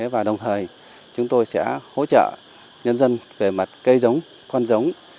và đồng thời chúng tôi sẽ hỗ trợ nhân dân về mặt cây giống con giống